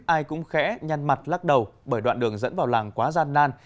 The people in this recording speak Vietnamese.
ai cũng khẽ nhăn mặt lắc đầu bởi đoạn đường dẫn vào làng quá gian nan